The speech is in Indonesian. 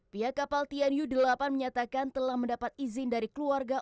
pihak kapal tianyu delapan menyatakan telah mendapat izin dari keluarga